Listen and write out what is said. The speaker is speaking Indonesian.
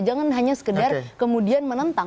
jangan hanya sekedar kemudian menentang